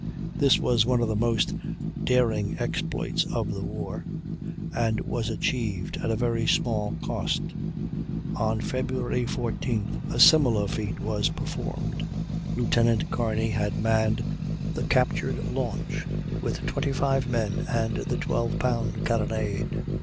This was one of the most daring exploits of the war, and was achieved at very small cost. On Feb. 14th a similar feat was performed. Lieutenant Kearney had manned the captured launch with 25 men and the 12 pound carronade.